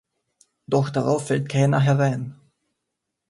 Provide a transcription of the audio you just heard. Doch darauf fällt keiner herein!